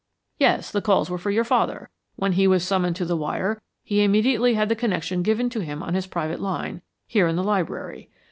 "Yes; the calls were for your father. When he was summoned to the wire he immediately had the connection given to him on his private line, here in the library.